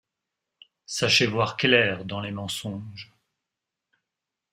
Sachez voir clair dans les mensonges.